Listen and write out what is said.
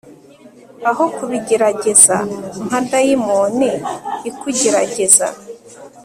Aho kubigerageza nka dayimoni ikugerageza